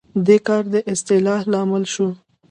دې کار د اصلاح لامل شو.